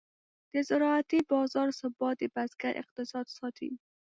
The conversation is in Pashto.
د زراعتي بازار ثبات د بزګر اقتصاد ساتي.